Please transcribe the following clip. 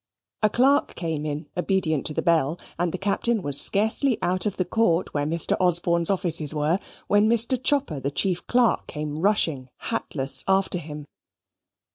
A clerk came in, obedient to the bell; and the Captain was scarcely out of the court where Mr. Osborne's offices were, when Mr. Chopper the chief clerk came rushing hatless after him.